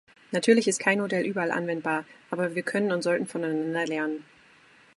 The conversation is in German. Natürlich ist kein Modell überall anwendbar, aber wir können und sollten voneinander lernen.